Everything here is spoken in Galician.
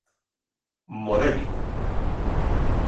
Modélico.